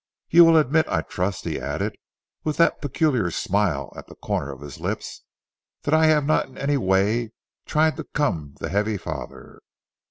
You will admit, I trust," he added, with that peculiar smile at the corner of his lips, "that I have not in any way tried to come the heavy father?